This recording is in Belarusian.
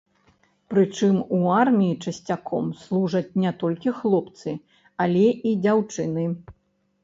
Прычым, у арміі часцяком служаць не толькі хлопцы, але і дзяўчыны.